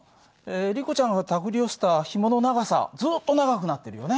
リコちゃんがたぐり寄せたひもの長さずっと長くなってるよね。